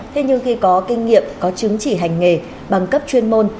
thế nhưng khi có kinh nghiệm có chứng chỉ hành nghề bằng cấp chuyên môn